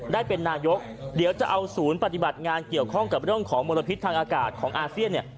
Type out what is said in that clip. ได้เป็นนายกเดี๋ยวจะเอาศูนย์ปฏิบัติงานเกี่ยวข้องกับเรื่องของมลพิษทางอากาศของอาเซียนเนี่ย